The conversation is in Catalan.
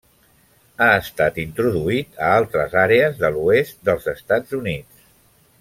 Ha estat introduït a altres àrees de l'oest dels Estats Units.